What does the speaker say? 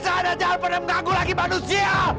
jangan pernah mengganggu laki manusia